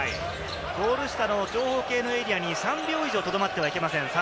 ゴール下の長方形のエリアに３秒以上とどまってはいけません。